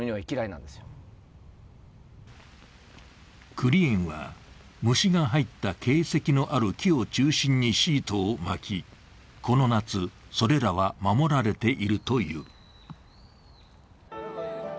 クリ園は虫が入った形跡のある木を中心にシートを巻き、この夏、それらは守られているという。